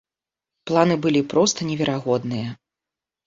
Планы былі проста неверагодныя.